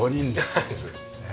はいそうですね。